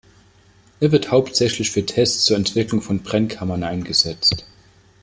Er wird hauptsächlich für Tests zur Entwicklung von Brennkammern eingesetzt.